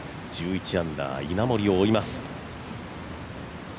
１１アンダー、稲森を追います。